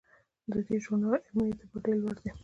د دې ژورنال علمي اعتبار ډیر لوړ دی.